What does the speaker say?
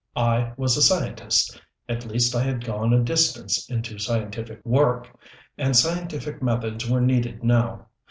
I was a scientist at least I had gone a distance into scientific work and scientific methods were needed now.